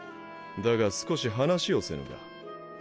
だが少し話をせぬか？